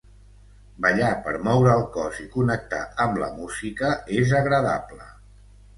Ballar per moure el cos i connectar amb la música és agradable